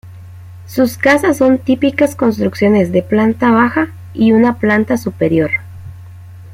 Sus casas son típicas construcciones de planta baja y una planta superior.